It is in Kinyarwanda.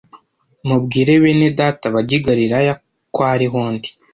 mubwire bene Data bajye i Galilaya ko ariho ndi